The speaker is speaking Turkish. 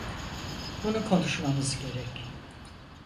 Bunu konuşmamız gerek.